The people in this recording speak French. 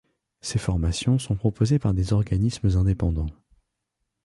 Ces formations sont proposées par des organismes indépendants.